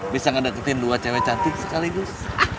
bisa ngedatutin dua cewek cantik sekaligus